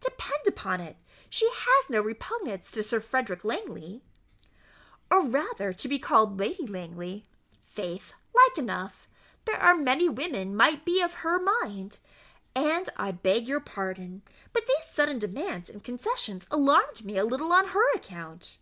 Depend upon it, she has no repugnance to Sir Frederick Langley." "Or rather to be called Lady Langley? faith, like enough there are many women might be of her mind; and I beg your pardon, but these sudden demands and concessions alarmed me a little on her account."